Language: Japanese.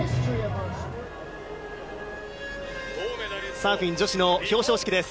サーフィン女子の表彰式です。